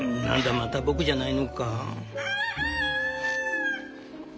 また僕じゃないのか」。